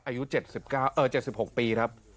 อายุ๗๖ปีครับ